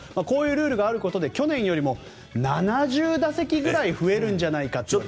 こういうルールがあることで去年よりも７０打席ぐらい増えるんじゃないかと。